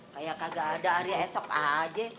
kayak gak ada arya esok aja